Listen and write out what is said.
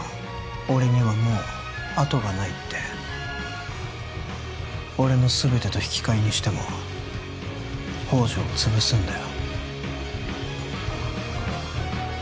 俺にはもう後がないって俺の全てと引き換えにしても宝条を潰すんだよ